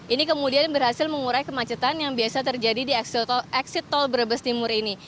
ini kemudian berhasil mengurai kemacetan yang biasa terjadi di exit tol brebes timur ini